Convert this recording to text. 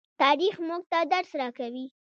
تاریخ موږ ته درس راکوي.